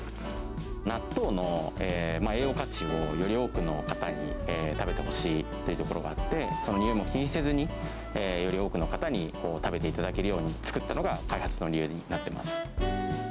納豆の栄養価値を、より多くの方に食べてほしいっていうところがあって、その臭いも気にせずに、より多くの方に食べていただけるように作ったのが、開発の理由になってます。